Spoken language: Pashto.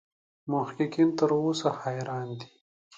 محققین تر اوسه حیران دي.